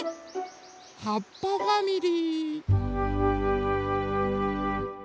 はっぱファミリ−。